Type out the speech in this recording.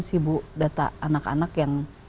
sih bu data anak anak yang